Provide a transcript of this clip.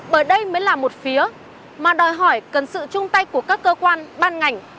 bởi đây mới là một phía mà đòi hỏi cần sự chung tay của các cơ quan ban ngành